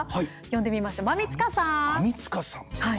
呼んでみましょう、馬見塚さん！